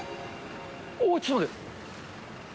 おー、ちょっと待って。